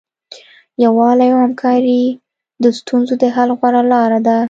یووالی او همکاري د ستونزو د حل غوره لاره ده.